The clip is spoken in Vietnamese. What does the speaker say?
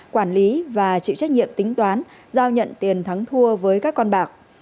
quản lý và chịu trách nhiệm tính toán giao nhận tiền thắng thua với các con bạc